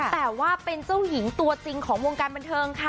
แต่ว่าเป็นเจ้าหญิงตัวจริงของวงการบันเทิงค่ะ